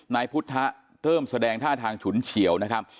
นายพุทธะเริ่มแสดงท่าทางฉุนเฉียวนะครับ